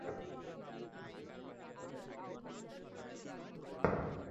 জোজোকে ক্ষেপানোর সময় আংটি দুটো বদলাবদলি হয়ে গেছে।